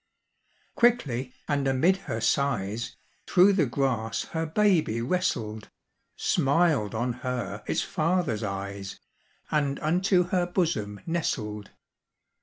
Quickly, and amid her sighs, Through the grass her baby wrestled, Smiled on her its father's eyes, And unto her bosom nestled.